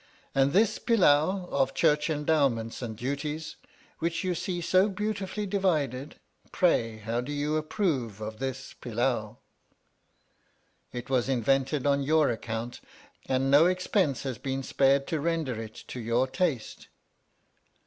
And this pil lau of Church endowments and duties, which you see so beautifully divided, pray how do you approve of this pillau 1 It was invented on your account, and no expense has been spared to render it to your taste.